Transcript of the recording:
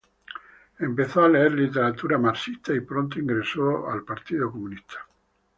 Empezó a leer literatura marxista y pronto ingresó al Partido Comunista.